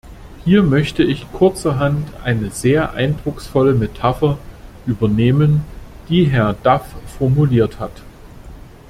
Hier möchte ich kurzerhand eine sehr eindrucksvolle Metapher übernehmen, die Herr Duff formuliert hat.